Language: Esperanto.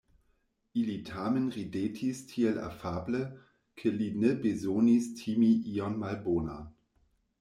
Ili tamen ridetis tiel afable, ke li ne bezonis timi ion malbonan.